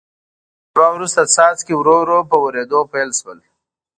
شیبه وروسته څاڅکي ورو ورو په ورېدو پیل شول.